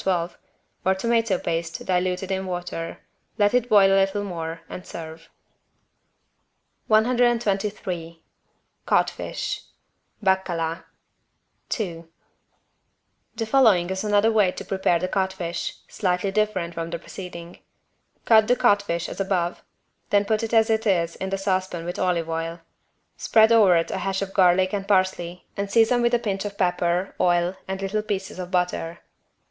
12) or tomato paste diluted in water, let it boil a little more and serve. 123 II The following is another way to prepare the codfish, slightly different from the preceding. Cut the codfish as above, then put it as it is in saucepan with some olive oil. Spread over it a hash of garlic and parsley and season with a pinch of pepper, oil and little pieces of butter.